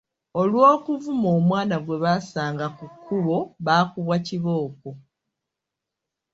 Olw’okuvuma omwana gwe basanga ku kkubo, baakubwa kibooko.